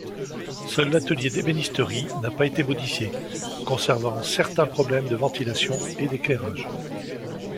Seul l'atelier d'ébénisterie n'a pas été modifié, conservant certains problèmes de ventilation et d'éclairage.